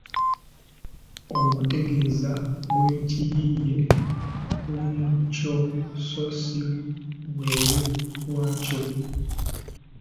Obutegeeza bw’ekiyiiye buli mu kyo so si bwelu waakyo.